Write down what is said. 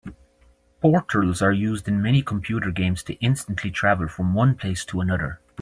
Portals are used in many computer games to instantly travel from one place to another.